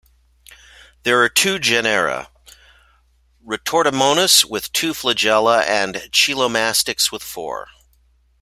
There are two genera: "Retortamonas" with two flagella, and "Chilomastix" with four.